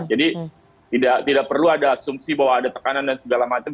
jadi tidak perlu ada asumsi bahwa ada tekanan dan segala macam